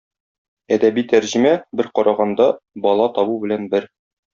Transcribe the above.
Әдәби тәрҗемә, бер караганда, бала табу белән бер.